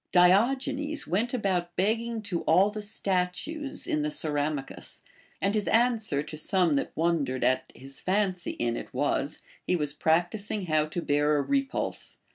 Diogenes went about begging to all the statues in the Ceramicus ; and his answer to some that wondered at his fancy in it was, he was practising how to beai a repulse.